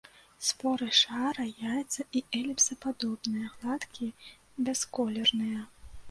Споры шара-, яйца- і эліпсападобныя, гладкія, бясколерныя.